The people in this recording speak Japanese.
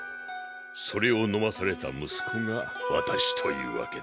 それを飲まされた息子が私というわけです。